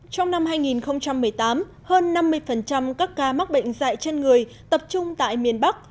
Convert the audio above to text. trong năm hai nghìn một mươi tám hơn năm mươi các ca mắc bệnh dạy chân người tập trung tại miền bắc